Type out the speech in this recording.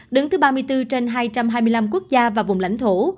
đứng thứ ba mươi bốn trên hai trăm hai mươi năm quốc gia và vùng lãnh thổ